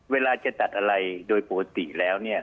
เวลาจะตัดอะไรโดยปกติแล้วเนี่ย